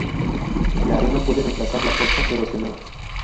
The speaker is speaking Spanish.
La arena puede reemplazar la costa erosionada.